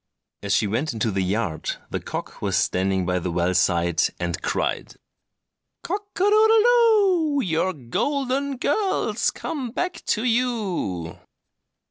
And as she went into the yard the cock was standing by the well side, and cried— "Cock a doodle doo! Your golden girl's come back to you!"